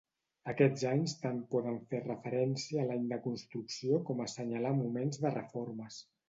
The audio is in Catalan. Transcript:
Aquests anys tant poden fer referència a l'any de construcció com assenyalar moments de reformes.